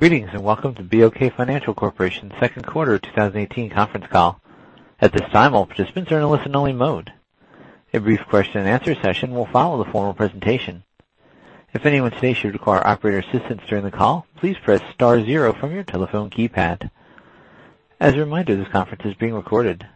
Greetings, welcome to BOK Financial Corporation's second quarter 2018 conference call. At this time, all participants are in a listen-only mode. A brief question-and-answer session will follow the formal presentation. If anyone today should require operator assistance during the call, please press star zero from your telephone keypad. As a reminder, this conference is being recorded.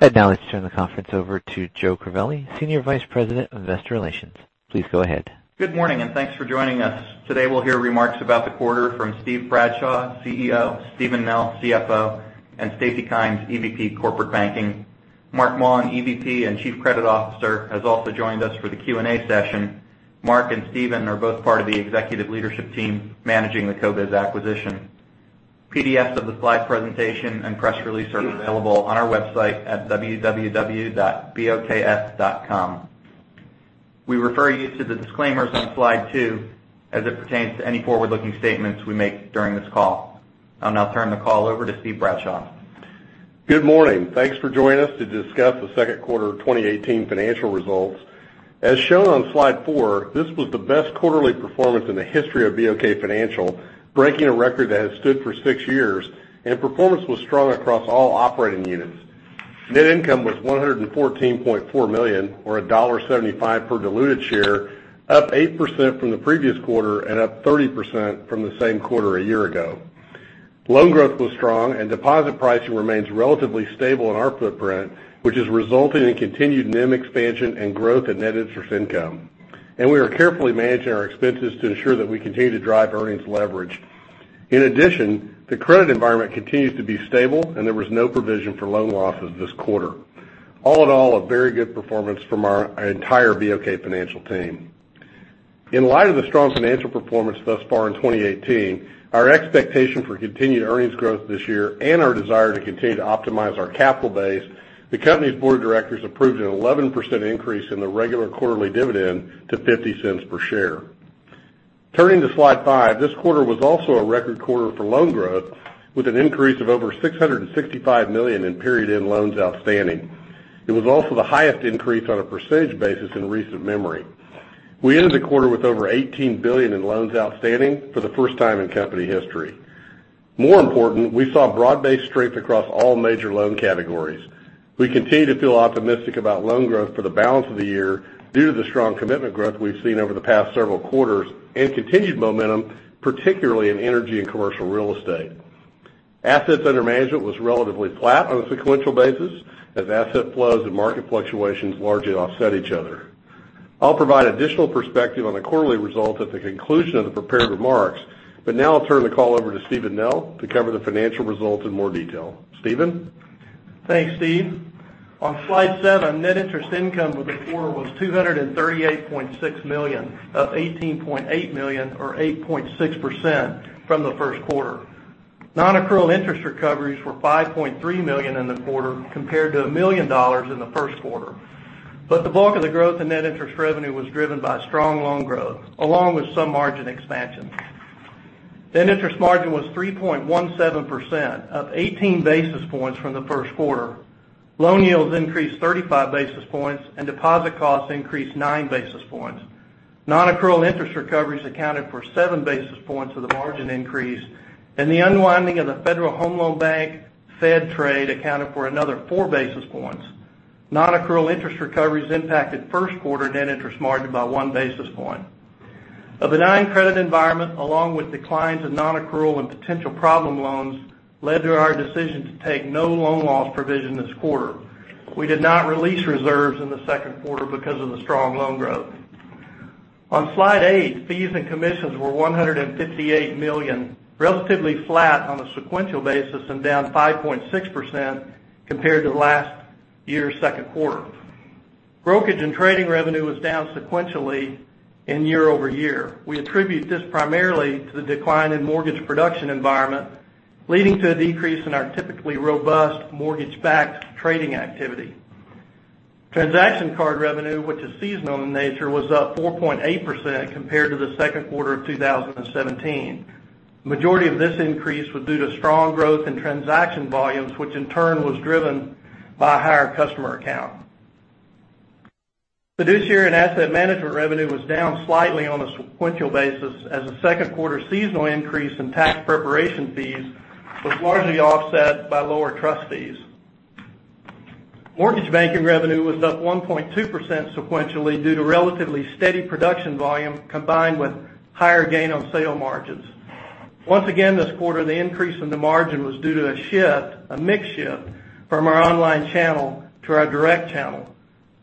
I'd now like to turn the conference over to Joe Crivelli, Senior Vice President of Investor Relations. Please go ahead. Good morning, thanks for joining us. Today, we'll hear remarks about the quarter from Steve Bradshaw, CEO, Steven Nell, CFO, and Stacy Kymes, EVP Corporate Banking. Marc Maun, EVP and Chief Credit Officer, has also joined us for the Q&A session. Marc and Steven are both part of the executive leadership team managing the CoBiz acquisition. PDFs of the slide presentation and press release are available on our website at www.bokf.com. We refer you to the disclaimers on slide two as it pertains to any forward-looking statements we make during this call. I'll now turn the call over to Steve Bradshaw. Good morning. Thanks for joining us to discuss the second quarter of 2018 financial results. As shown on slide four, this was the best quarterly performance in the history of BOK Financial, breaking a record that has stood for six years. Performance was strong across all operating units. Net income was $114.4 million, or $1.75 per diluted share, up 8% from the previous quarter and up 30% from the same quarter a year ago. Loan growth was strong and deposit pricing remains relatively stable in our footprint, which is resulting in continued NIM expansion and growth in net interest income. We are carefully managing our expenses to ensure that we continue to drive earnings leverage. In addition, the credit environment continues to be stable. There was no provision for loan losses this quarter. All in all, a very good performance from our entire BOK Financial team. In light of the strong financial performance thus far in 2018, our expectation for continued earnings growth this year and our desire to continue to optimize our capital base, the company's board of directors approved an 11% increase in the regular quarterly dividend to $0.50 per share. Turning to slide five, this quarter was also a record quarter for loan growth with an increase of over $665 million in period-end loans outstanding. It was also the highest increase on a percentage basis in recent memory. We ended the quarter with over $18 billion in loans outstanding for the first time in company history. More important, we saw broad-based strength across all major loan categories. We continue to feel optimistic about loan growth for the balance of the year due to the strong commitment growth we've seen over the past several quarters and continued momentum, particularly in energy and commercial real estate. Assets under management was relatively flat on a sequential basis as asset flows and market fluctuations largely offset each other. I'll provide additional perspective on the quarterly results at the conclusion of the prepared remarks. Now I'll turn the call over to Steven Nell to cover the financial results in more detail. Steven? Thanks, Steve. On slide seven, net interest income for the quarter was $238.6 million, up $18.8 million or 8.6% from the first quarter. Non-accrual interest recoveries were $5.3 million in the quarter compared to $1 million in the first quarter. The bulk of the growth in net interest revenue was driven by strong loan growth along with some margin expansion. Net interest margin was 3.17%, up 18 basis points from the first quarter. Loan yields increased 35 basis points and deposit costs increased nine basis points. Non-accrual interest recoveries accounted for seven basis points of the margin increase, and the unwinding of the Federal Home Loan Bank Fed trade accounted for another four basis points. Non-accrual interest recoveries impacted first quarter net interest margin by one basis point. A benign credit environment, along with declines in non-accrual and potential problem loans, led to our decision to take no loan loss provision this quarter. We did not release reserves in the second quarter because of the strong loan growth. On slide eight, fees and commissions were $158 million, relatively flat on a sequential basis, and down 5.6% compared to last year's second quarter. Brokerage and trading revenue was down sequentially and year-over-year. We attribute this primarily to the decline in mortgage production environment, leading to a decrease in our typically robust mortgage-backed trading activity. Transaction card revenue, which is seasonal in nature, was up 4.8% compared to the second quarter of 2017. The majority of this increase was due to strong growth in transaction volumes, which in turn was driven by higher customer account. Fiduciary and asset management revenue was down slightly on a sequential basis as the second quarter seasonal increase in tax preparation fees was largely offset by lower trust fees. Mortgage banking revenue was up 1.2% sequentially due to relatively steady production volume combined with higher gain on sale margins. Once again, this quarter, the increase in the margin was due to a shift, a mix shift, from our online channel to our direct channel,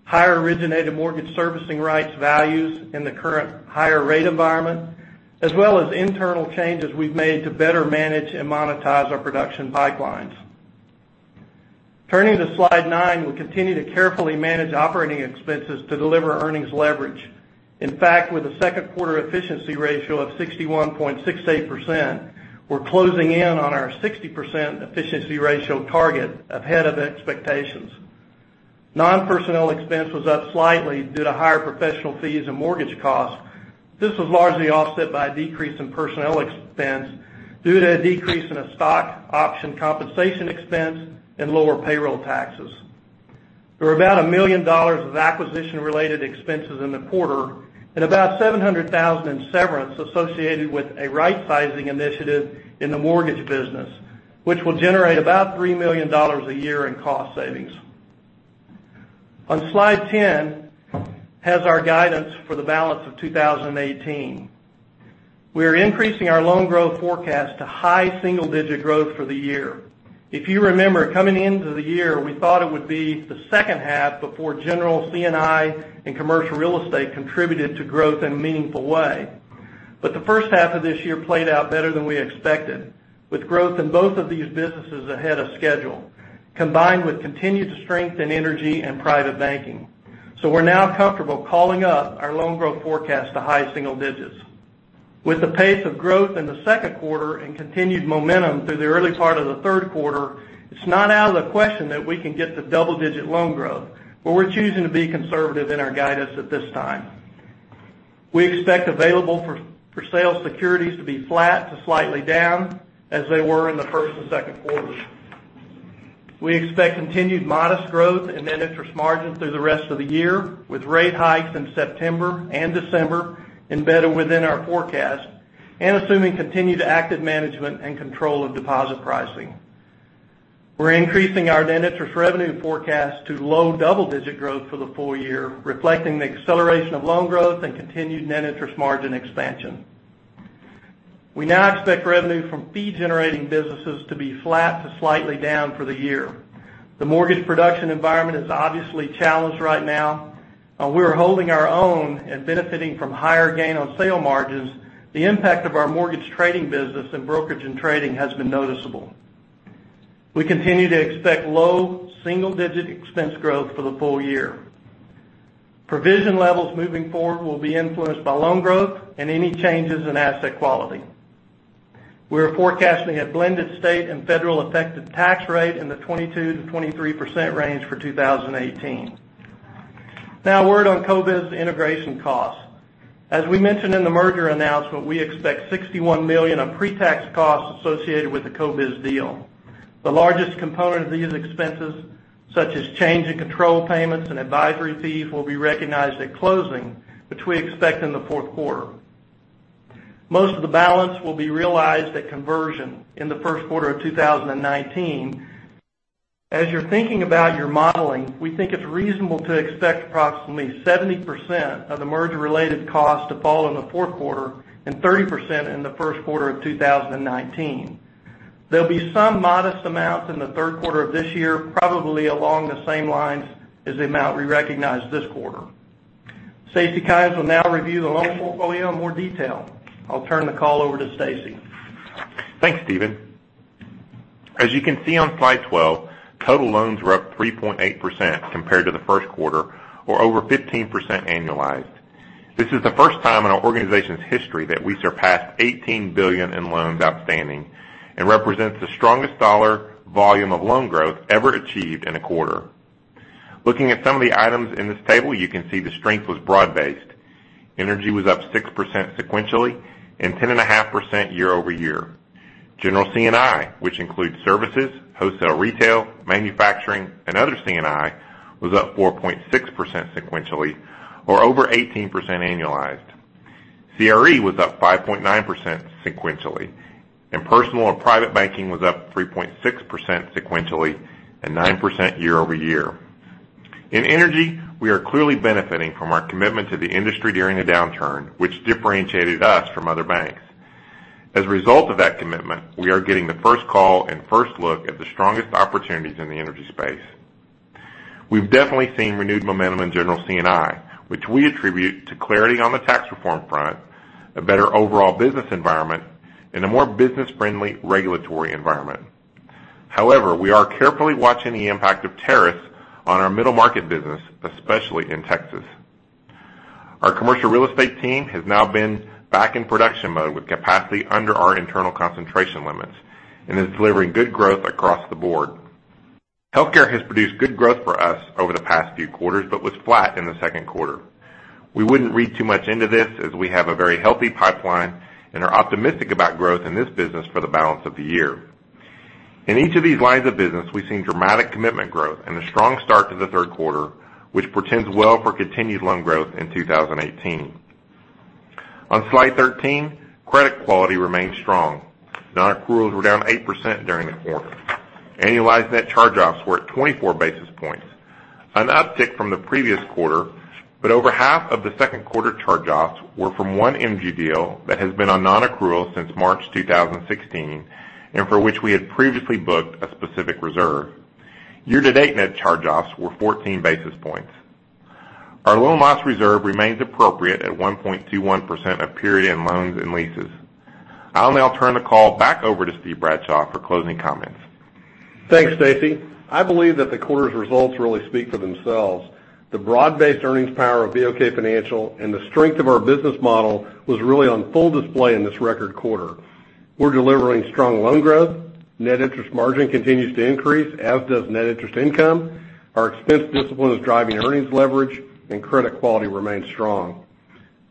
higher Originated Mortgage Servicing Rights values in the current higher rate environment, as well as internal changes we've made to better manage and monetize our production pipelines. Turning to slide nine, we continue to carefully manage operating expenses to deliver earnings leverage. In fact, with a second quarter efficiency ratio of 61.68%, we're closing in on our 60% efficiency ratio target ahead of expectations. Non-personnel expense was up slightly due to higher professional fees and mortgage costs. This was largely offset by a decrease in personnel expense due to a decrease in a stock option compensation expense and lower payroll taxes. There were about $1 million of acquisition-related expenses in the quarter and about $700,000 in severance associated with a right-sizing initiative in the mortgage business, which will generate about $3 million a year in cost savings. On Slide 10, has our guidance for the balance of 2018. We are increasing our loan growth forecast to high single-digit growth for the year. If you remember, coming into the year, we thought it would be the second half before general C&I and commercial real estate contributed to growth in a meaningful way. The first half of this year played out better than we expected, with growth in both of these businesses ahead of schedule, combined with continued strength in energy and private banking. We're now comfortable calling up our loan growth forecast to high single digits. With the pace of growth in the second quarter and continued momentum through the early part of the third quarter, it's not out of the question that we can get to double-digit loan growth, but we're choosing to be conservative in our guidance at this time. We expect available-for-sale securities to be flat to slightly down, as they were in the first and second quarters. We expect continued modest growth in net interest margin through the rest of the year, with rate hikes in September and December embedded within our forecast and assuming continued active management and control of deposit pricing. We're increasing our net interest revenue forecast to low double-digit growth for the full year, reflecting the acceleration of loan growth and continued net interest margin expansion. We now expect revenue from fee-generating businesses to be flat to slightly down for the year. The mortgage production environment is obviously challenged right now. While we are holding our own and benefiting from higher gain on sale margins, the impact of our mortgage trading business and brokerage and trading has been noticeable. We continue to expect low single-digit expense growth for the full year. Provision levels moving forward will be influenced by loan growth and any changes in asset quality. We are forecasting a blended state and federal effective tax rate in the 22%-23% range for 2018. Now, a word on CoBiz integration costs. As we mentioned in the merger announcement, we expect $61 million of pre-tax costs associated with the CoBiz deal. The largest component of these expenses, such as change in control payments and advisory fees, will be recognized at closing, which we expect in the fourth quarter. Most of the balance will be realized at conversion in the first quarter of 2019. As you're thinking about your modeling, we think it's reasonable to expect approximately 70% of the merger-related costs to fall in the fourth quarter and 30% in the first quarter of 2019. There'll be some modest amounts in the third quarter of this year, probably along the same lines as the amount we recognize this quarter. Stacy Kymes will now review the loan portfolio in more detail. I'll turn the call over to Stacy. Thanks, Steven. As you can see on Slide 12, total loans were up 3.8% compared to the first quarter, or over 15% annualized. This is the first time in our organization's history that we surpassed $18 billion in loans outstanding and represents the strongest dollar volume of loan growth ever achieved in a quarter. Looking at some of the items in this table, you can see the strength was broad-based. Energy was up 6% sequentially and 10.5% year-over-year. General C&I, which includes services, wholesale, retail, manufacturing, and other C&I, was up 4.6% sequentially, or over 18% annualized. CRE was up 5.9% sequentially, and personal and private banking was up 3.6% sequentially and 9% year-over-year. In energy, we are clearly benefiting from our commitment to the industry during the downturn, which differentiated us from other banks. As a result of that commitment, we are getting the first call and first look at the strongest opportunities in the energy space. We've definitely seen renewed momentum in general C&I, which we attribute to clarity on the tax reform front, a better overall business environment, and a more business-friendly regulatory environment. However, we are carefully watching the impact of tariffs on our middle market business, especially in Texas. Our commercial real estate team has now been back in production mode with capacity under our internal concentration limits and is delivering good growth across the board. Healthcare has produced good growth for us over the past few quarters but was flat in the second quarter. We wouldn't read too much into this as we have a very healthy pipeline and are optimistic about growth in this business for the balance of the year. In each of these lines of business, we've seen dramatic commitment growth and a strong start to the third quarter, which portends well for continued loan growth in 2018. On Slide 13, credit quality remains strong. Nonaccruals were down 8% during the quarter. Annualized net charge-offs were at 24 basis points, an uptick from the previous quarter, but over half of the second quarter charge-offs were from one MG deal that has been on nonaccrual since March 2016 and for which we had previously booked a specific reserve. Year-to-date net charge-offs were 14 basis points. Our loan loss reserve remains appropriate at 1.21% of period-end loans and leases. I'll now turn the call back over to Steven G. Bradshaw for closing comments. Thanks, Stacy. I believe that the quarter's results really speak for themselves. The broad-based earnings power of BOK Financial and the strength of our business model was really on full display in this record quarter. We're delivering strong loan growth. Net interest margin continues to increase, as does net interest income. Our expense discipline is driving earnings leverage, credit quality remains strong.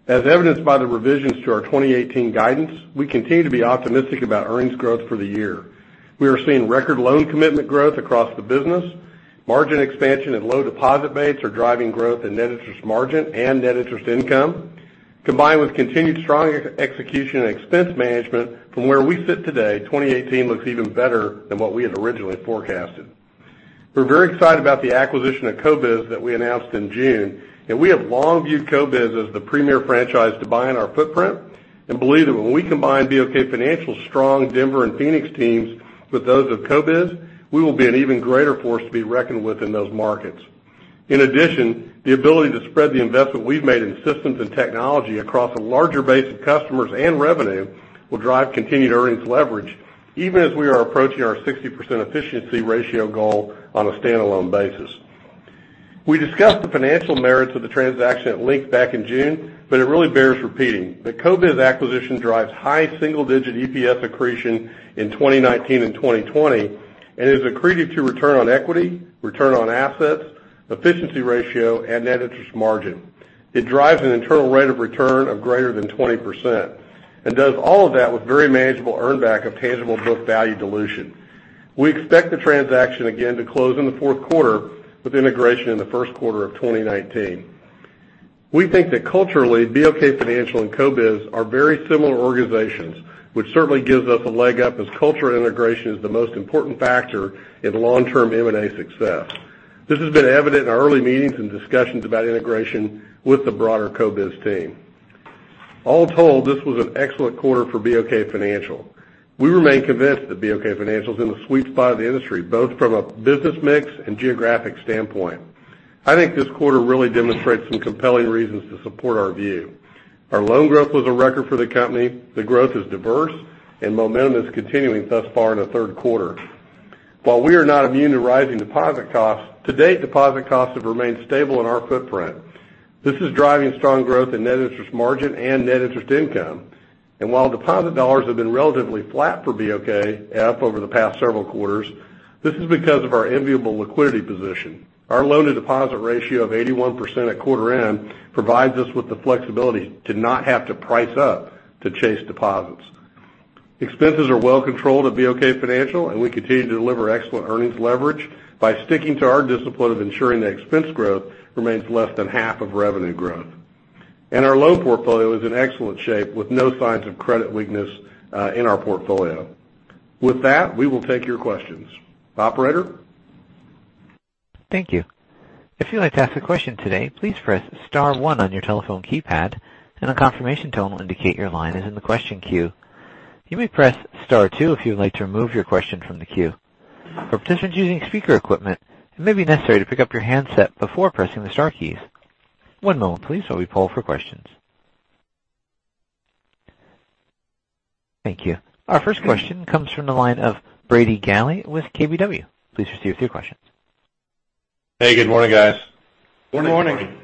As evidenced by the revisions to our 2018 guidance, we continue to be optimistic about earnings growth for the year. We are seeing record loan commitment growth across the business. Margin expansion and low deposit rates are driving growth in net interest margin and net interest income. Combined with continued strong execution and expense management from where we sit today, 2018 looks even better than what we had originally forecasted. We're very excited about the acquisition of CoBiz that we announced in June, and we have long viewed CoBiz as the premier franchise to buy in our footprint. Believe that when we combine BOK Financial's strong Denver and Phoenix teams with those of CoBiz, we will be an even greater force to be reckoned with in those markets. In addition, the ability to spread the investment we've made in systems and technology across a larger base of customers and revenue, will drive continued earnings leverage, even as we are approaching our 60% efficiency ratio goal on a standalone basis. We discussed the financial merits of the transaction at length back in June, but it really bears repeating. The CoBiz acquisition drives high single-digit EPS accretion in 2019 and 2020, and is accretive to return on equity, return on assets, efficiency ratio, and net interest margin. It drives an internal rate of return of greater than 20%, and does all of that with very manageable earn back of tangible book value dilution. We expect the transaction again to close in the fourth quarter, with integration in the first quarter of 2019. We think that culturally, BOK Financial and CoBiz are very similar organizations, which certainly gives us a leg up as culture integration is the most important factor in long-term M&A success. This has been evident in our early meetings and discussions about integration with the broader CoBiz team. All told, this was an excellent quarter for BOK Financial. We remain convinced that BOK Financial is in the sweet spot of the industry, both from a business mix and geographic standpoint. I think this quarter really demonstrates some compelling reasons to support our view. Our loan growth was a record for the company, the growth is diverse, and momentum is continuing thus far in the third quarter. While we are not immune to rising deposit costs, to date, deposit costs have remained stable in our footprint. This is driving strong growth in net interest margin and net interest income. While deposit dollars have been relatively flat for BOK, up over the past several quarters, this is because of our enviable liquidity position. Our loan-to-deposit ratio of 81% at quarter end provides us with the flexibility to not have to price up to chase deposits. Expenses are well controlled at BOK Financial, and we continue to deliver excellent earnings leverage by sticking to our discipline of ensuring that expense growth remains less than half of revenue growth. Our loan portfolio is in excellent shape with no signs of credit weakness in our portfolio. With that, we will take your questions. Operator? Thank you. If you'd like to ask a question today, please press star one on your telephone keypad, and a confirmation tone will indicate your line is in the question queue. You may press star two if you'd like to remove your question from the queue. For participants using speaker equipment, it may be necessary to pick up your handset before pressing the star keys. One moment please while we poll for questions. Thank you. Our first question comes from the line of Brady Gailey with KBW. Please proceed with your questions. Hey, good morning, guys. Good morning. Morning.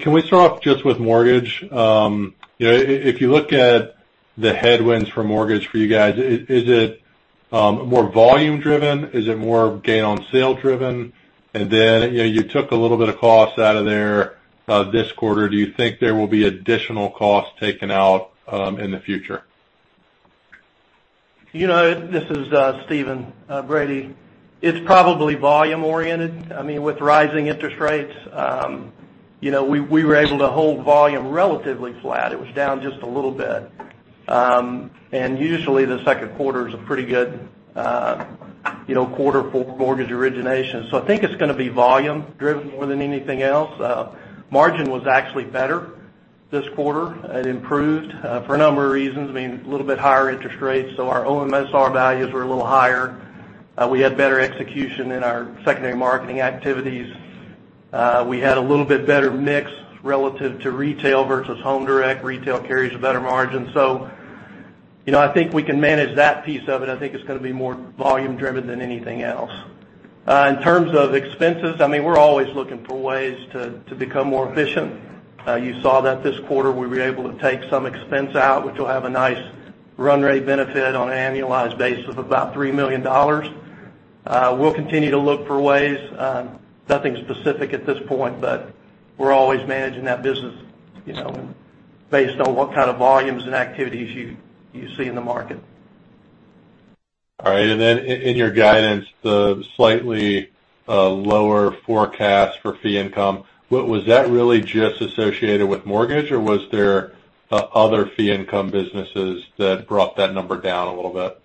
Can we start off just with mortgage? You know, if you look at the headwinds for mortgage for you guys, is it more volume driven? Is it more gain on sale driven? You know, you took a little bit of cost out of there this quarter. Do you think there will be additional costs taken out in the future? You know, this is Steven. Brady, it's probably volume oriented. I mean, with rising interest rates, you know, we were able to hold volume relatively flat. It was down just a little bit. Usually the second quarter is a pretty good, you know, quarter for mortgage origination. So I think it's going to be volume driven more than anything else. Margin was actually better this quarter. It improved for a number of reasons. I mean, a little bit higher interest rates, so our OMSR values were a little higher. We had better execution in our secondary marketing activities. We had a little bit better mix relative to retail versus Home Direct. Retail carries a better margin. So, you know, I think we can manage that piece of it. I think it's going to be more volume driven than anything else. In terms of expenses, I mean, we're always looking for ways to become more efficient. You saw that this quarter we were able to take some expense out, which will have a nice run rate benefit on an annualized basis of about $3 million. We'll continue to look for ways. Nothing specific at this point, but we're always managing that business, you know, based on what kind of volumes and activities you see in the market. All right. Then in your guidance, the slightly lower forecast for fee income, was that really just associated with mortgage, or was there other fee income businesses that brought that number down a little bit?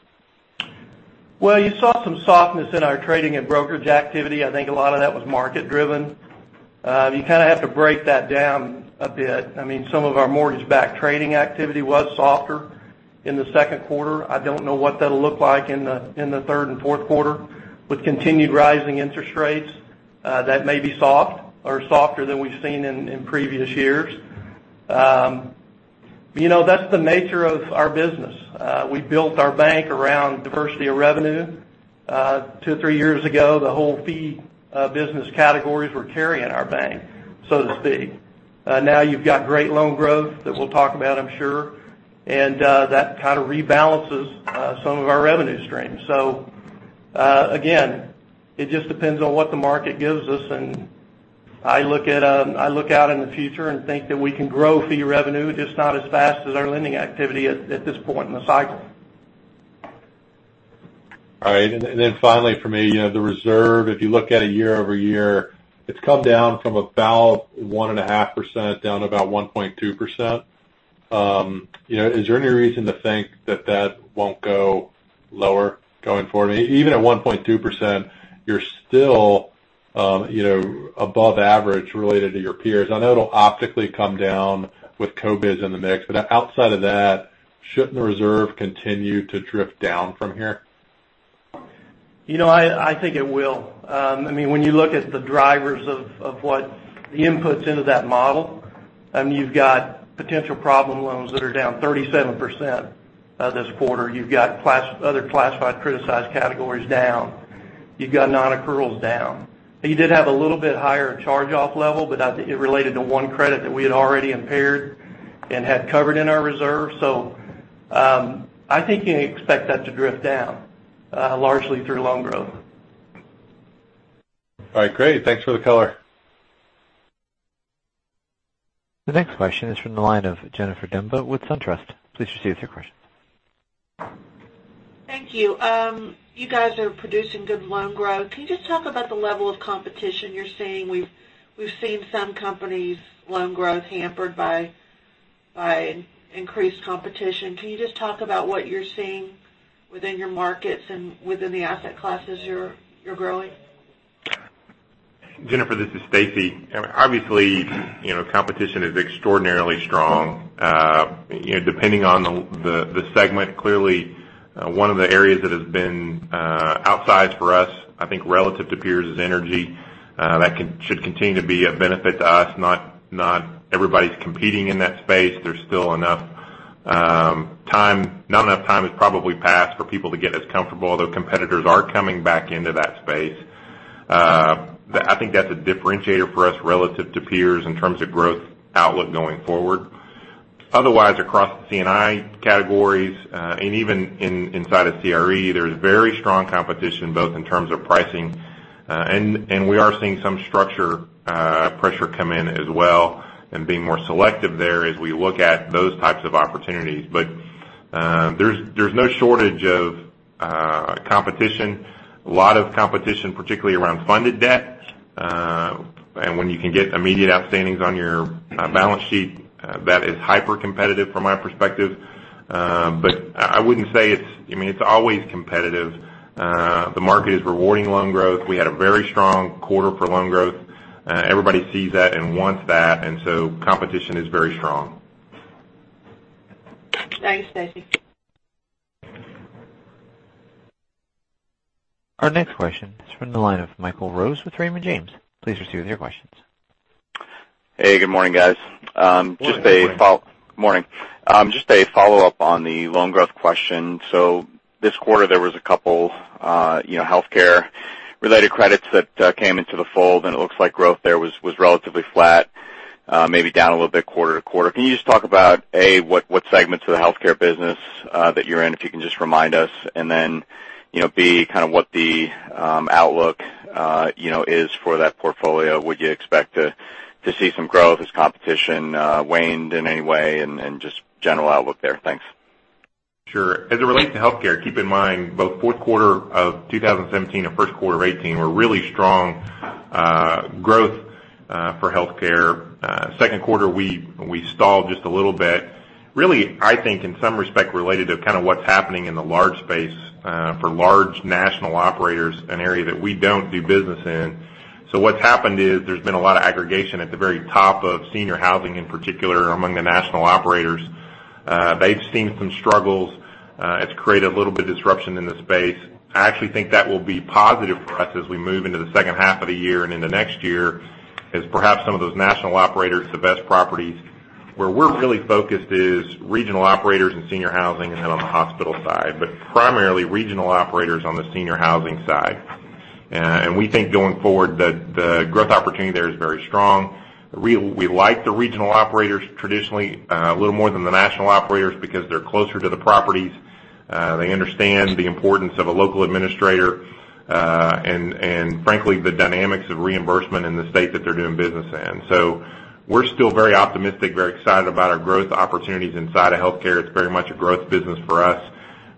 Well, you saw some softness in our trading and brokerage activity. I think a lot of that was market driven. You kind of have to break that down a bit. I mean, some of our mortgage-backed trading activity was softer in the second quarter. I don't know what that'll look like in the, in the third and fourth quarter. With continued rising interest rates, that may be soft or softer than we've seen in previous years. You know, that's the nature of our business. We built our bank around diversity of revenue. Two, three years ago, the whole fee business categories were carrying our bank, so to speak. Now you've got great loan growth that we'll talk about, I'm sure, and that kind of rebalances some of our revenue streams. Again, it just depends on what the market gives us. I look out in the future and think that we can grow fee revenue, just not as fast as our lending activity at this point in the cycle. All right. Finally from me, the reserve, if you look at it year-over-year, it's come down from about 1.5% down to about 1.2%. Is there any reason to think that that won't go lower going forward? Even at 1.2%, you're still above average related to your peers. I know it'll optically come down with CoBiz in the mix, outside of that, shouldn't the reserve continue to drift down from here? I think it will. When you look at the drivers of what the inputs into that model, you've got potential problem loans that are down 37% this quarter. You've got other classified criticized categories down. You've got non-accruals down. You did have a little bit higher charge-off level, it related to one credit that we had already impaired and had covered in our reserve. I think you can expect that to drift down, largely through loan growth. All right, great. Thanks for the color. The next question is from the line of Jennifer Demba with SunTrust. Please proceed with your question. Thank you. You guys are producing good loan growth. Can you just talk about the level of competition you're seeing? We've seen some companies' loan growth hampered by increased competition. Can you just talk about what you're seeing within your markets and within the asset classes you're growing? Jennifer, this is Stacy. Obviously, competition is extraordinarily strong. Depending on the segment, clearly one of the areas that has been outsized for us, I think, relative to peers, is energy. That should continue to be a benefit to us. Not everybody's competing in that space. Not enough time has probably passed for people to get as comfortable, although competitors are coming back into that space. I think that's a differentiator for us relative to peers in terms of growth outlook going forward. Otherwise, across the C&I categories, and even inside of CRE, there's very strong competition, both in terms of pricing. We are seeing some structure pressure come in as well and being more selective there as we look at those types of opportunities. There's no shortage of competition. A lot of competition, particularly around funded debt. When you can get immediate outstandings on your balance sheet, that is hyper-competitive from my perspective. I wouldn't say it's always competitive. The market is rewarding loan growth. We had a very strong quarter for loan growth. Everybody sees that and wants that, competition is very strong. Thanks, Stacy. Our next question is from the line of Michael Rose with Raymond James. Please proceed with your questions. Hey, good morning, guys. Good morning. Good morning. Just a follow-up on the loan growth question. This quarter, there was a couple healthcare-related credits that came into the fold, and it looks like growth there was relatively flat, maybe down a little bit quarter-to-quarter. Can you just talk about, A, what segments of the healthcare business that you're in, if you can just remind us, and then, B, what the outlook is for that portfolio? Would you expect to see some growth? Has competition waned in any way? Just general outlook there. Thanks. Sure. As it relates to healthcare, keep in mind, both fourth quarter of 2017 and first quarter of 2018 were really strong growth for healthcare. Second quarter, we stalled just a little bit. Really, I think in some respect, related to what's happening in the large space for large national operators, an area that we don't do business in. What's happened is there's been a lot of aggregation at the very top of senior housing, in particular, among the national operators. They've seen some struggles. It's created a little bit of disruption in the space. I actually think that will be positive for us as we move into the second half of the year and into next year, as perhaps some of those national operators, the best properties. Where we're really focused is regional operators in senior housing and then on the hospital side. Primarily regional operators on the senior housing side. We think going forward that the growth opportunity there is very strong. We like the regional operators traditionally a little more than the national operators because they're closer to the properties. They understand the importance of a local administrator, and frankly, the dynamics of reimbursement in the state that they're doing business in. We're still very optimistic, very excited about our growth opportunities inside of healthcare. It's very much a growth business for us.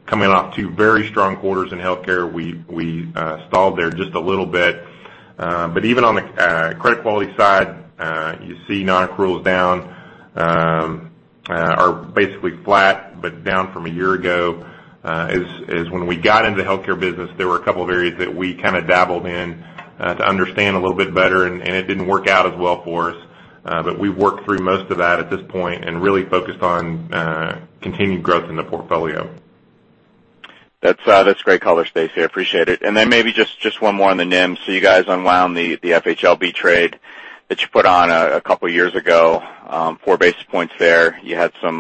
Coming off two very strong quarters in healthcare, we stalled there just a little bit. Even on the credit quality side, you see non-accruals down, or basically flat, but down from a year ago. As when we got into the healthcare business, there were a couple of areas that we kind of dabbled in to understand a little bit better, and it didn't work out as well for us. We've worked through most of that at this point and really focused on continued growth in the portfolio. That's great color, Stacy. I appreciate it. Then maybe just one more on the NIMs. You guys unwound the FHLB trade that you put on a couple of years ago, four basis points there. You had some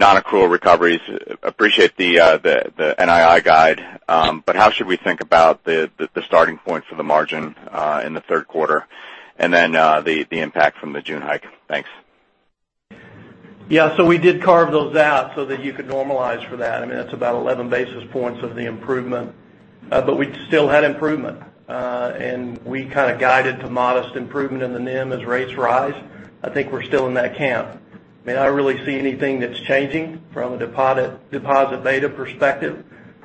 non-accrual recoveries. Appreciate the NII guide. How should we think about the starting points for the margin in the third quarter, and then the impact from the June hike? Thanks. Yeah. We did carve those out so that you could normalize for that. I mean, that's about 11 basis points of the improvement. We still had improvement. We kind of guided to modest improvement in the NIM as rates rise. I think we're still in that camp. I mean, I don't really see anything that's changing from a deposit beta perspective.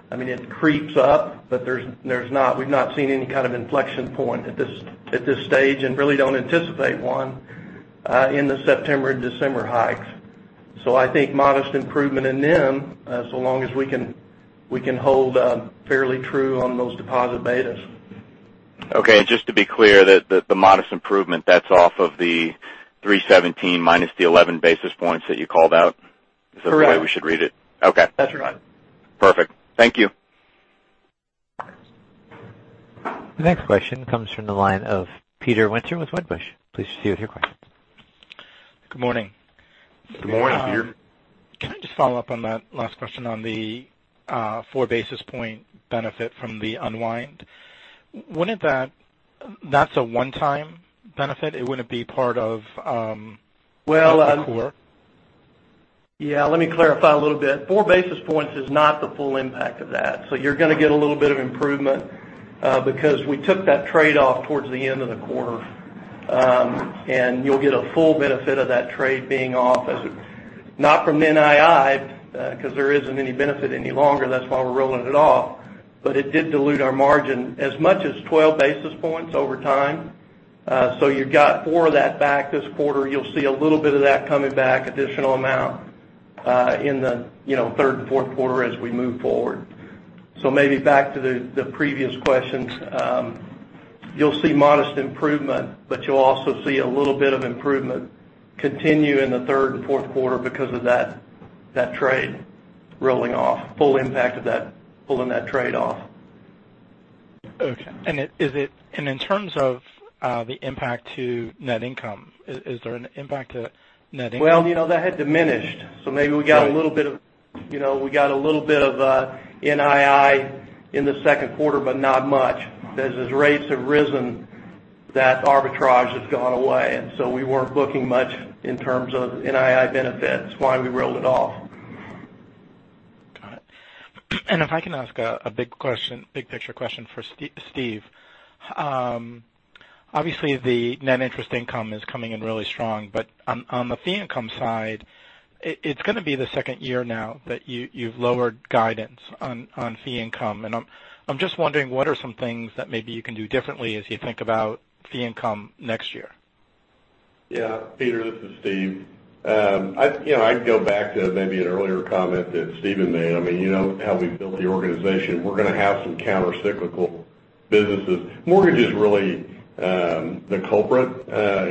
I mean, it creeps up. We've not seen any kind of inflection point at this stage and really don't anticipate one in the September and December hikes. I think modest improvement in NIM, so long as we can hold fairly true on those deposit betas. Okay. Just to be clear, the modest improvement, that's off of the 317 minus the 11 basis points that you called out? Correct. Is that the way we should read it? Okay. That's right. Perfect. Thank you. The next question comes from the line of Peter Winter with Wedbush. Please proceed with your question. Good morning. Good morning, Peter. Can I just follow up on that last question on the four basis point benefit from the unwind? Wouldn't that's a one-time benefit? It wouldn't be part of- Well- -the core? Yeah. Let me clarify a little bit. Four basis points is not the full impact of that. You're going to get a little bit of improvement because we took that trade-off towards the end of the quarter. You'll get a full benefit of that trade being off as, not from NII, because there isn't any benefit any longer. That's why we're rolling it off. It did dilute our margin as much as 12 basis points over time. You got four of that back this quarter. You'll see a little bit of that coming back, additional amount, in the third and fourth quarter as we move forward. Maybe back to the previous questions. You'll see modest improvement, but you'll also see a little bit of improvement continue in the third and fourth quarter because of that trade rolling off, full impact of that, pulling that trade-off. Okay. In terms of the impact to net income, is there an impact to net income? That had diminished. Maybe we got a little bit of NII in the second quarter, but not much. As rates have risen, that arbitrage has gone away. We weren't booking much in terms of NII benefits, why we rolled it off. Got it. If I can ask a big-picture question for Steve. Obviously, the net interest income is coming in really strong. On the fee income side, it's going to be the second year now that you've lowered guidance on fee income. I'm just wondering, what are some things that maybe you can do differently as you think about fee income next year? Peter, this is Steve. I'd go back to maybe an earlier comment that Steven made. You know how we built the organization. We're going to have some countercyclical businesses. Mortgage is really the culprit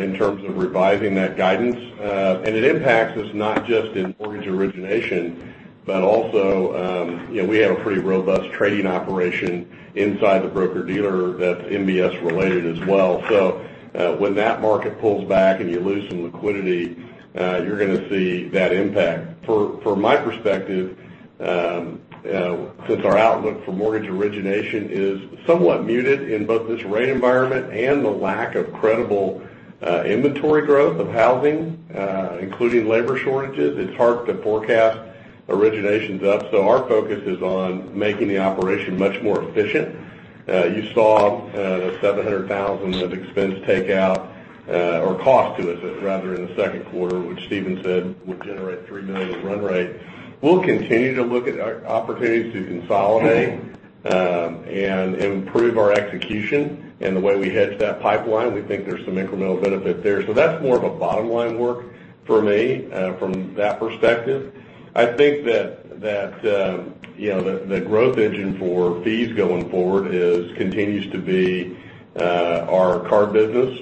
in terms of revising that guidance. It impacts us not just in mortgage origination, but also we have a pretty robust trading operation inside the broker-dealer that's MBS-related as well. When that market pulls back and you lose some liquidity, you're going to see that impact. From my perspective, since our outlook for mortgage origination is somewhat muted in both this rate environment and the lack of credible inventory growth of housing, including labor shortages, it's hard to forecast originations up. Our focus is on making the operation much more efficient. You saw the $700,000 of expense take out or cost to us rather in the second quarter, which Steven said would generate $3 million run rate. We'll continue to look at opportunities to consolidate and improve our execution and the way we hedge that pipeline. We think there's some incremental benefit there. That's more of a bottom-line work for me from that perspective. I think that the growth engine for fees going forward continues to be our card business.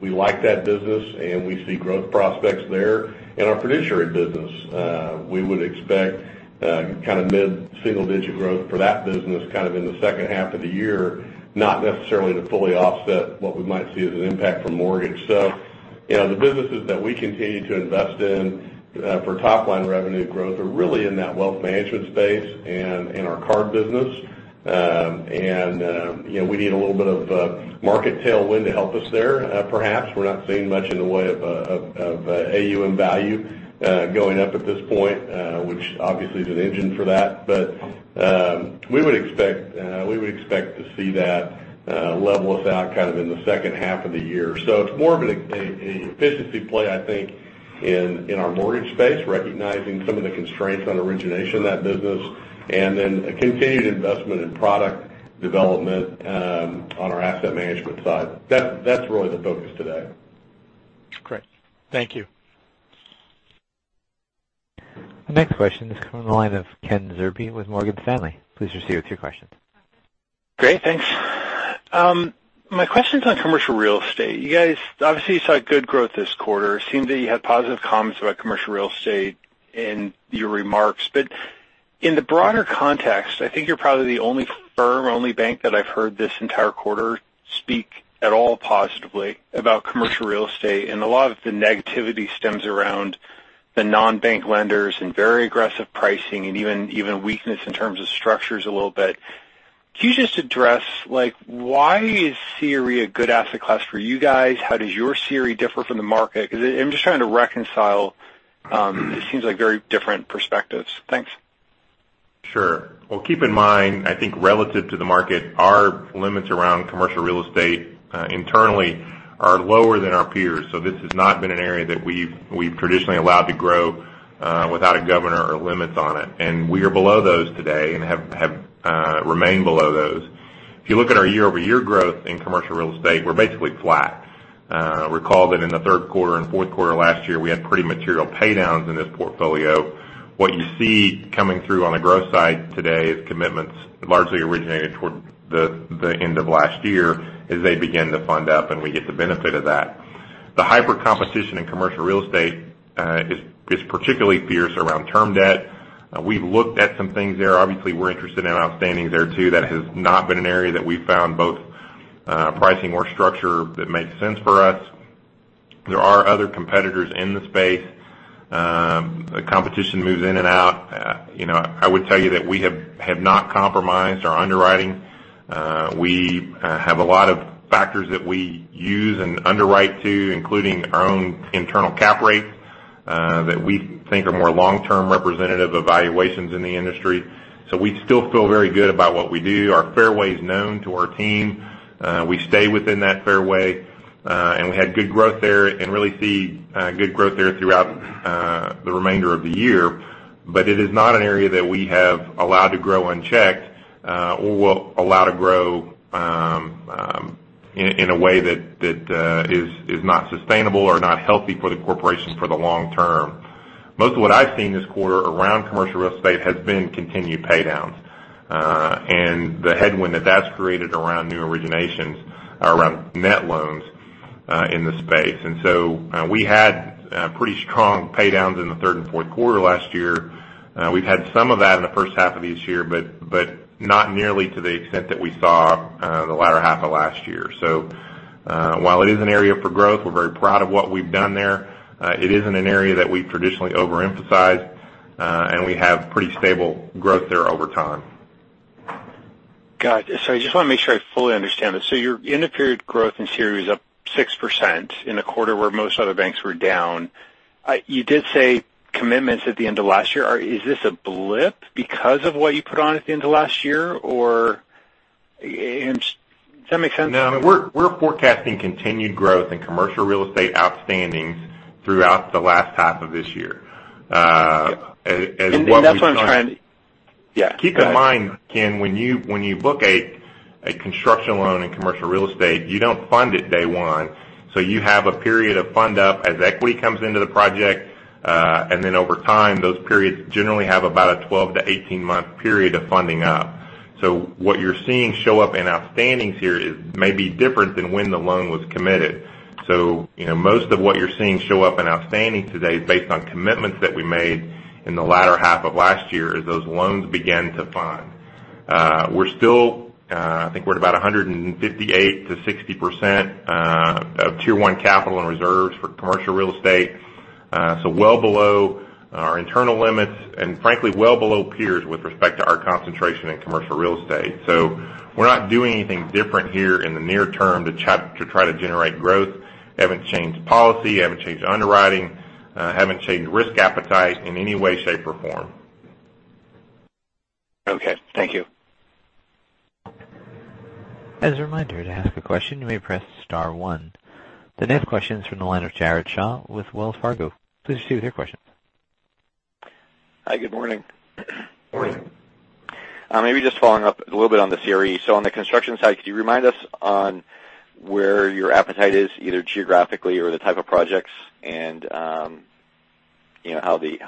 We like that business, and we see growth prospects there. Our fiduciary business, we would expect kind of mid-single-digit growth for that business kind of in the second half of the year, not necessarily to fully offset what we might see as an impact from mortgage. The businesses that we continue to invest in for top-line revenue growth are really in that wealth management space and in our card business. We need a little bit of market tailwind to help us there perhaps. We're not seeing much in the way of AUM value going up at this point, which obviously is an engine for that. We would expect to see that level us out kind of in the second half of the year. It's more of an efficiency play, I think, in our mortgage space, recognizing some of the constraints on origination of that business, and then a continued investment in product development on our asset management side. That's really the focus today. Great. Thank you. The next question is coming on the line of Kenneth Zerbe with Morgan Stanley. Please proceed with your question. Great. Thanks. My question's on commercial real estate. You guys, obviously you saw good growth this quarter. It seemed that you had positive comments about commercial real estate in your remarks. In the broader context, I think you're probably the only firm or only bank that I've heard this entire quarter speak at all positively about commercial real estate. A lot of the negativity stems around the non-bank lenders and very aggressive pricing and even weakness in terms of structures a little bit. Can you just address why is CRE a good asset class for you guys? How does your CRE differ from the market? I'm just trying to reconcile, it seems like very different perspectives. Thanks. Sure. Well, keep in mind, I think relative to the market, our limits around commercial real estate, internally, are lower than our peers. This has not been an area that we've traditionally allowed to grow without a governor or limits on it. We are below those today and have remained below those. If you look at our year-over-year growth in commercial real estate, we're basically flat. Recall that in the third quarter and fourth quarter last year, we had pretty material pay-downs in this portfolio. What you see coming through on the growth side today is commitments largely originated toward the end of last year as they begin to fund up and we get the benefit of that. The hyper-competition in commercial real estate is particularly fierce around term debt. We've looked at some things there. Obviously, we're interested in outstandings there too. That has not been an area that we've found both pricing or structure that makes sense for us. There are other competitors in the space. The competition moves in and out. I would tell you that we have not compromised our underwriting. We have a lot of factors that we use and underwrite to, including our own internal cap rate, that we think are more long-term representative of valuations in the industry. We still feel very good about what we do. Our fairway is known to our team. We stay within that fairway. We had good growth there and really see good growth there throughout the remainder of the year. It is not an area that we have allowed to grow unchecked, or allow to grow in a way that is not sustainable or not healthy for the corporation for the long term. Most of what I've seen this quarter around commercial real estate has been continued pay-downs, and the headwind that that's created around new originations, around net loans in the space. We had pretty strong pay-downs in the third and fourth quarter last year. We've had some of that in the first half of this year, but not nearly to the extent that we saw the latter half of last year. While it is an area for growth, we're very proud of what we've done there. It isn't an area that we traditionally overemphasize. We have pretty stable growth there over time. Got it. I just want to make sure I fully understand this. Your end-of-period growth in CRE was up 6% in a quarter where most other banks were down. You did say commitments at the end of last year. Is this a blip because of what you put on at the end of last year, or does that make sense? No. We're forecasting continued growth in commercial real estate outstandings throughout the last half of this year. As what we've done. That's what I'm trying Yeah, go ahead. Keep in mind, Ken, when you book a construction loan in commercial real estate, you don't fund it day one. You have a period of fund up as equity comes into the project. Then over time, those periods generally have about a 12 to 18-month period of funding up. What you're seeing show up in outstandings here may be different than when the loan was committed. Most of what you're seeing show up in outstandings today is based on commitments that we made in the latter half of last year as those loans began to fund. We're still, I think we're at about 158% to 160% of Tier 1 capital and reserves for commercial real estate. Well below our internal limits, and frankly, well below peers with respect to our concentration in commercial real estate. We're not doing anything different here in the near term to try to generate growth. Haven't changed policy, haven't changed underwriting, haven't changed risk appetite in any way, shape, or form. Okay. Thank you. As a reminder, to ask a question, you may press *1. The next question is from the line of Jared Shaw with Wells Fargo. Please proceed with your question. Hi, good morning. Morning. Maybe just following up a little bit on the CRE. On the construction side, could you remind us on where your appetite is, either geographically or the type of projects and how the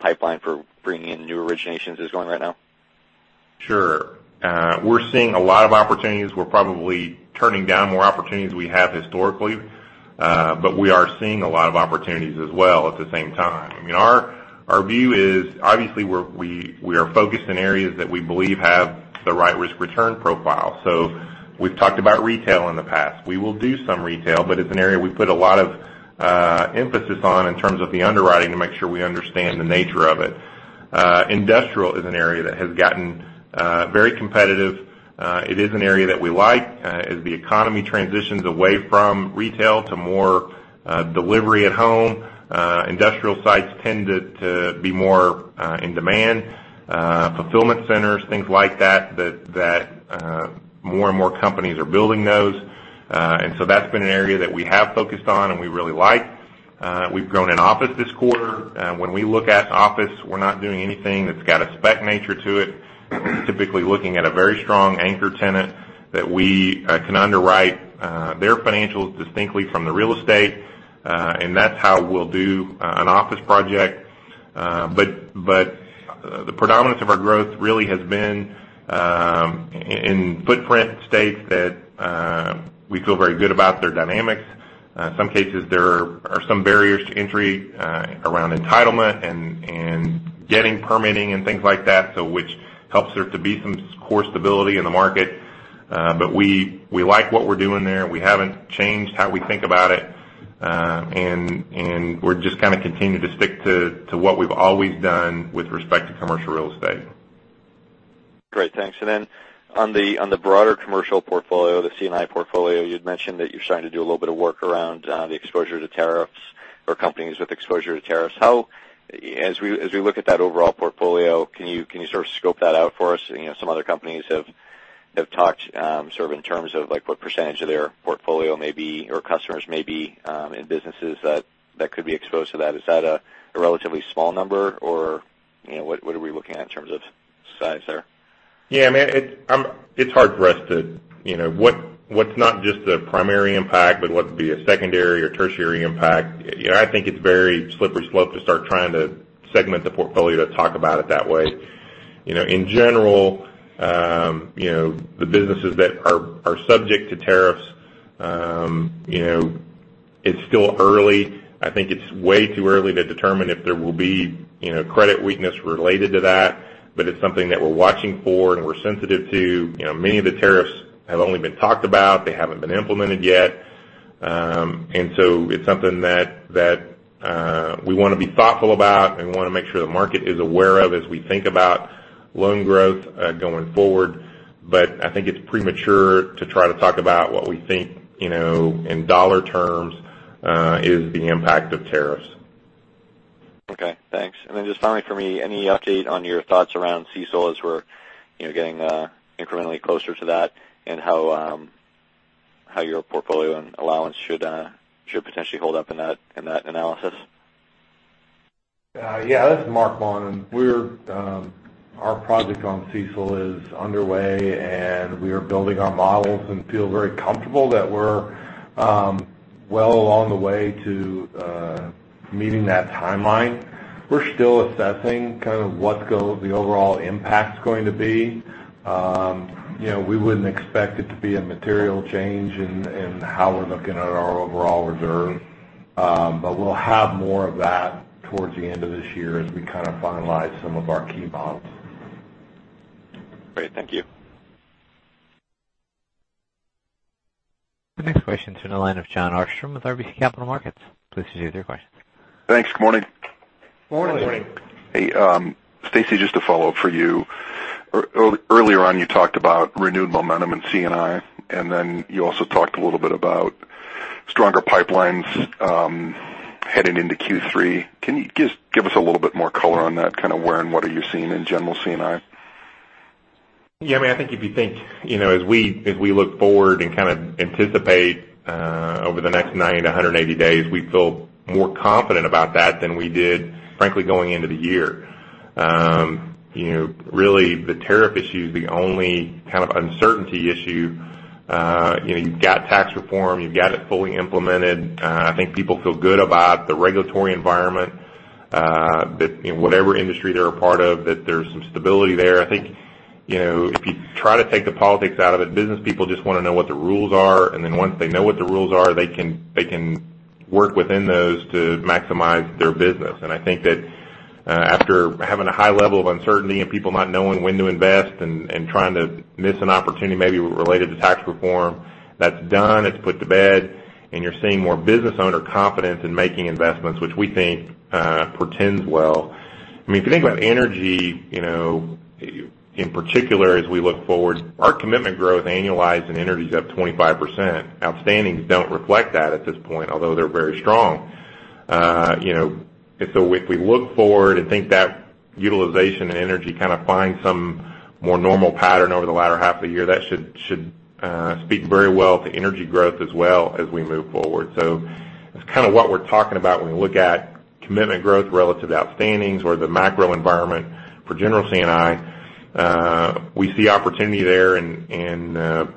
pipeline for bringing in new originations is going right now? Sure. We're seeing a lot of opportunities. We're probably turning down more opportunities we have historically. We are seeing a lot of opportunities as well at the same time. Our view is, obviously we are focused in areas that we believe have the right risk-return profile. We've talked about retail in the past. We will do some retail, but it's an area we put a lot of emphasis on in terms of the underwriting to make sure we understand the nature of it. Industrial is an area that has gotten very competitive. It is an area that we like. As the economy transitions away from retail to more delivery at home, industrial sites tend to be more in demand. Fulfillment centers, things like that more and more companies are building those. That's been an area that we have focused on and we really like. We've grown in office this quarter. When we look at office, we're not doing anything that's got a spec nature to it. Typically looking at a very strong anchor tenant that we can underwrite their financials distinctly from the real estate. That's how we'll do an office project. The predominance of our growth really has been in footprint states that we feel very good about their dynamics. Some cases, there are some barriers to entry around entitlement and getting permitting and things like that. Which helps there to be some core stability in the market. We like what we're doing there, and we haven't changed how we think about it. We're just going to continue to stick to what we've always done with respect to commercial real estate. Great. Thanks. Then on the broader commercial portfolio, the C&I portfolio, you'd mentioned that you're starting to do a little bit of work around the exposure to tariffs for companies with exposure to tariffs. As we look at that overall portfolio, can you scope that out for us? Some other companies have talked in terms of what percentage of their portfolio may be, or customers may be in businesses that could be exposed to that. Is that a relatively small number? What are we looking at in terms of size there? Yeah. It's hard for us to, what's not just the primary impact, but what would be a secondary or tertiary impact. I think it's very slippery slope to start trying to segment the portfolio to talk about it that way. In general, the businesses that are subject to tariffs, it's still early. I think it's way too early to determine if there will be credit weakness related to that. It's something that we're watching for and we're sensitive to. Many of the tariffs have only been talked about. They haven't been implemented yet. It's something that we want to be thoughtful about and want to make sure the market is aware of as we think about loan growth going forward. I think it's premature to try to talk about what we think, in dollar terms, is the impact of tariffs. Okay, thanks. Just finally for me, any update on your thoughts around CECL as we're getting incrementally closer to that and how your portfolio and allowance should potentially hold up in that analysis? Yeah. This is Marc Maun. Our project on CECL is underway, and we are building our models and feel very comfortable that we're well along the way to meeting that timeline. We're still assessing kind of what the overall impact's going to be. We wouldn't expect it to be a material change in how we're looking at our overall reserve. We'll have more of that towards the end of this year as we kind of finalize some of our key models. Great. Thank you. The next question's in the line of Jon Arfstrom with RBC Capital Markets. Please proceed with your question. Thanks. Good morning. Morning. Morning. Hey, Stacy, just a follow-up for you. Earlier on, you talked about renewed momentum in C&I, and then you also talked a little bit about stronger pipelines heading into Q3. Can you just give us a little bit more color on that, kind of where and what are you seeing in general C&I? Yeah, I think if you think as we look forward and kind of anticipate over the next 90 to 180 days, we feel more confident about that than we did, frankly, going into the year. Really, the tariff issue's the only kind of uncertainty issue. You've got tax reform. You've got it fully implemented. I think people feel good about the regulatory environment, that whatever industry they're a part of, that there's some stability there. I think if you try to take the politics out of it, business people just want to know what the rules are, and then once they know what the rules are, they can work within those to maximize their business. I think that after having a high level of uncertainty and people not knowing when to invest and trying to miss an opportunity maybe related to tax reform, that's done, it's put to bed, and you're seeing more business owner confidence in making investments, which we think portends well. If you think about energy, in particular as we look forward, our commitment growth annualized in energy is up 25%. Outstandings don't reflect that at this point, although they're very strong. If we look forward and think that utilization in energy kind of finds some more normal pattern over the latter half of the year, that should speak very well to energy growth as well as we move forward. That's kind of what we're talking about when we look at commitment growth relative to outstandings or the macro environment for general C&I. We see opportunity there and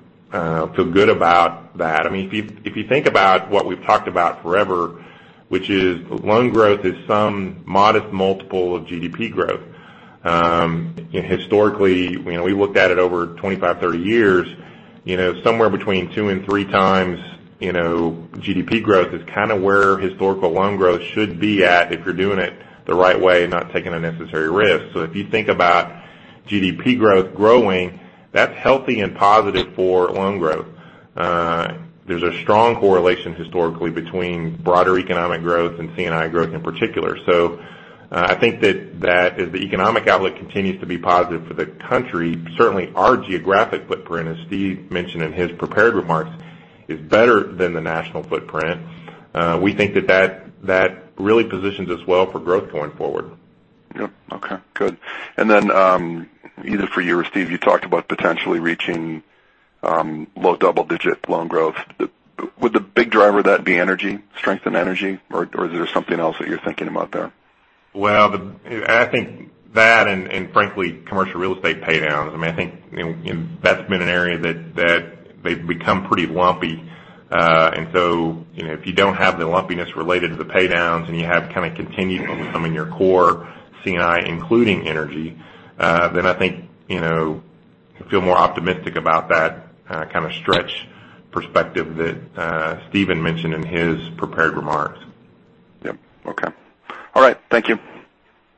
feel good about that. If you think about what we've talked about forever, which is loan growth is some modest multiple of GDP growth. Historically, we looked at it over 25, 30 years. Somewhere between two and three times GDP growth is kind of where historical loan growth should be at if you're doing it the right way and not taking unnecessary risks. If you think about GDP growth growing, that's healthy and positive for loan growth. There's a strong correlation historically between broader economic growth and C&I growth in particular. I think that as the economic outlook continues to be positive for the country, certainly our geographic footprint, as Steve mentioned in his prepared remarks, is better than the national footprint. We think that that really positions us well for growth going forward. Yep. Okay, good. Then either for you or Steve, you talked about potentially reaching low double-digit loan growth. Would the big driver of that be energy, strength in energy, or is there something else that you're thinking about there? Well, I think that frankly, commercial real estate pay-downs. I think that's been an area that they've become pretty lumpy. If you don't have the lumpiness related to the pay-downs and you have kind of continued growth coming your core C&I including energy then I think I feel more optimistic about that kind of stretch perspective that Steven mentioned in his prepared remarks. Yep. Okay. All right. Thank you.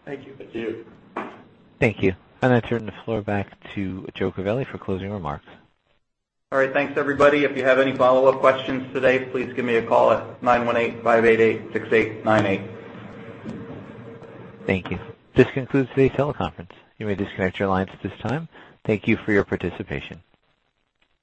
Thank you. Thank you. Thank you. I now turn the floor back to Joe Covelli for closing remarks. All right. Thanks everybody. If you have any follow-up questions today, please give me a call at 918-588-6898. Thank you. This concludes today's teleconference. You may disconnect your lines at this time. Thank you for your participation.